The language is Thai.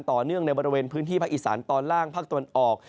ต่อเนื่องในบริเวณพื้นที่ประอิศาลตอนล่างภาคตะวันออก